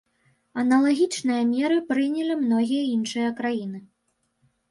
Аналагічныя меры прынялі многія іншыя краіны.